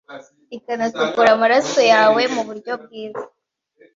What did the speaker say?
ikanasukura amaraso yawe muburyo bwiza